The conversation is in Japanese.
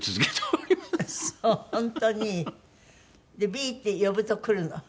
「ＢＥ」って呼ぶと来るの？